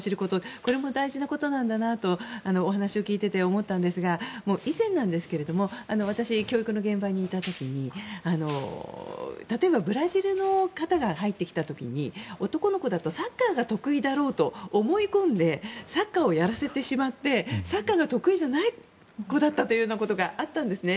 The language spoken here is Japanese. これも大事なことなんだなとお話を聞いていて思いましたが以前、私教育の現場にいた時に例えば、ブラジルの方が入ってきた時に男の子だとサッカーが得意だろうと思い込んでサッカーをやらせてしまってサッカーが得意じゃない子だったことがあったんですね。